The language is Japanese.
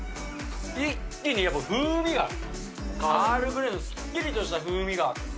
一気にやっぱ風味が、アールグレイのすっきりとした風味が。